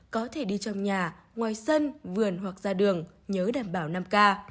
có thể đi trong nhà ngoài sân vườn hoặc ra đường nhớ đảm bảo năm k